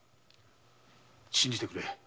信じてくれ。